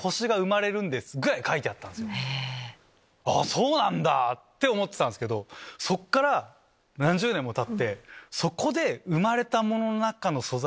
そうなんだ！って思ってたんすけどそっから何十年もたって。